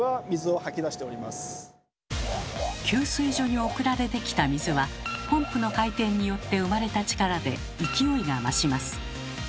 給水所に送られてきた水はポンプの回転によって生まれた力で勢いが増します。